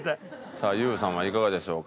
さあＹＯＵさんはいかがでしょうか？